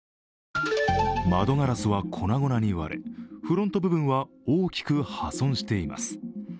窓ガラスは粉々に割れ、フロント部分は大きく破損しています。